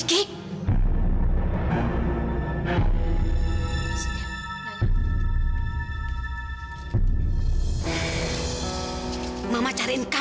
dia belum sadar juga